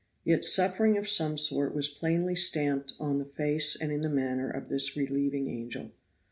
Yet suffering of some sort was plainly stamped on the face and in the manner of this relieving angel.